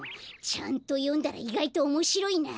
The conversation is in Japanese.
ちゃんとよんだらいがいとおもしろいな！